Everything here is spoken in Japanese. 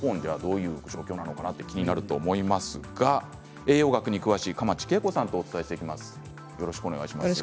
日本ではどういう状況か気になると思いますが栄養学に詳しい蒲池桂子さんとお伝えしていきます。